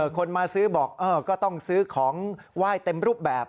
คนมาซื้อบอกก็ต้องซื้อของไหว้เต็มรูปแบบ